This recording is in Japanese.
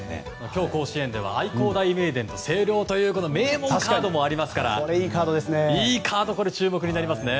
今日、甲子園では愛工大名電と星稜という名門カードもありますからいいカード、注目になりますね。